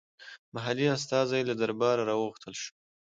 محلي استازی له درباره راوغوښتل شو.